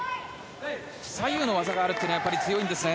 左右の技があるのは強いんですね。